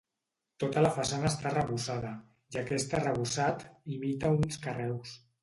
Tota la façana està arrebossada i aquest arrebossat imita uns carreus.